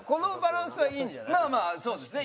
まあまあそうですね。